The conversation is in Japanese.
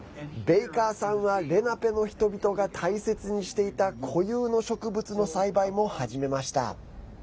ベイカーさんはレナペの人々が大切にしていた固有の植物の栽培も始めました。